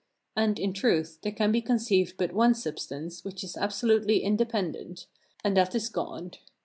And, in truth, there can be conceived but one substance which is absolutely independent, and that is God.